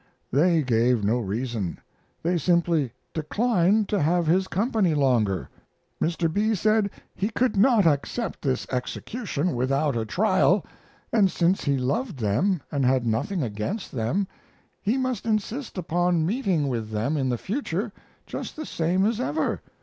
They gave no reason. They simply declined to have his company longer. Mr. B. said he could not accept of this execution without a trial, and since he loved them and had nothing against them he must insist upon meeting with them in the future just the same as ever.